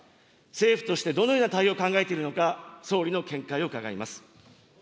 政府としてどのような対応を考えているのか、総理の見解を伺います。